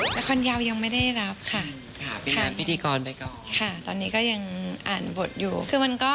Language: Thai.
ละครยาวยังไม่ได้รับค่ะ